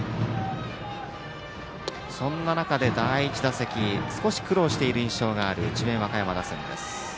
そんな中で第１打席苦労している印象がある智弁和歌山打線です。